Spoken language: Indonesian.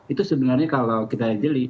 itu sebenarnya kalau kita ajeli